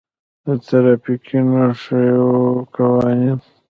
د ترافیکي نښو قوانین: